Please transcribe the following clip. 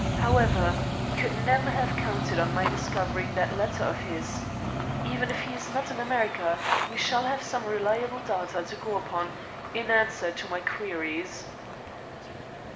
However, he could never have counted on my discovering that letter of his. Even if he is not in America we shall have some reliable data to go upon in answer to my queries."